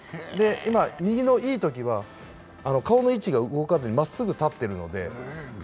右のいいときは顔の位置が動かずに、まっすぐ立ってるので。